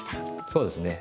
そうですね。